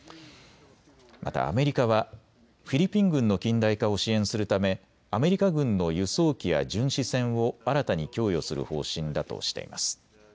またアメリカはフィリピン軍の近代化を支援するためアメリカ軍の輸送機や巡視船を新たに供与する方針だとしています。